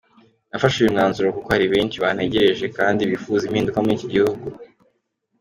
Nafashe uyu mwanzuro kuko hari benshi bantegereje kandi bifuza impinduka muri iki gihugu.